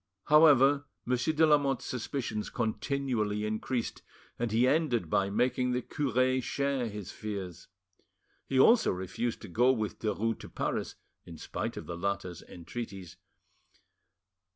However, Monsieur de Lamotte's suspicions continually increased and he ended by making the cure share his fears. He also refused to go with Derues to Paris, in spite of the latter's entreaties.